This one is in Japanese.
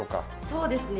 そうですね